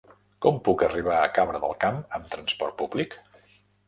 Com puc arribar a Cabra del Camp amb trasport públic?